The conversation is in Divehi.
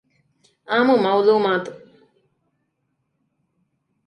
އާންމު މަޢުލޫމާތު